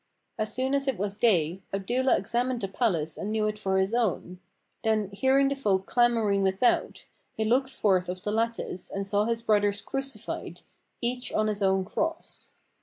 As soon as it was day, Abdullah examined the palace and knew it for his own; then, hearing the folk clamouring without, he looked forth of the lattice and saw his brothers crucified, each on his own cross.